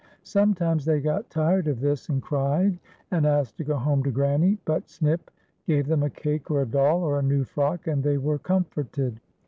Sometimes they got tired of this, and cried, and asked to go home to Granny ; but Snip gav^e them a cake or a doll or a new frock, and the\' were comforted.